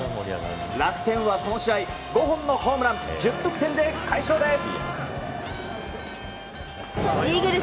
楽天はこの試合５本のホームラン１０得点で快勝です。